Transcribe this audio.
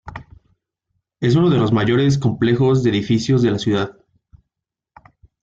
Es uno de los mayores complejos de edificios de la ciudad.